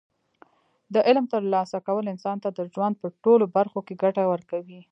د علم ترلاسه کول انسان ته د ژوند په ټولو برخو کې ګټه ورکوي.